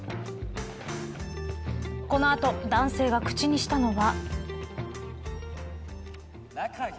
この後、男性が口にしたのは。